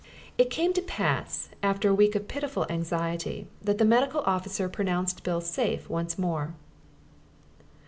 It came to pass, after a week of pitiful anxiety, that the Medical Officer pronounced Bill safe once more.